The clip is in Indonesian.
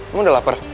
lo udah lapar